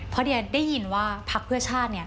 พอเดี๋ยวได้ยินว่าพักเพื่อชาตินี่